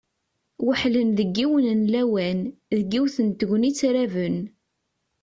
Weḥlen deg yiwen n lawan, deg yiwet n tegnit raben.